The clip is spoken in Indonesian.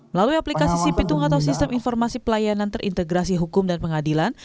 melalui aplikasi si pitung atau sistem informasi pelayanan terintegrasi hukum dan pengadilan